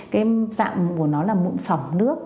cái dạng của nó là mụn phỏng nước